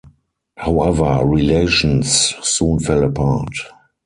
However relations soon fell apart.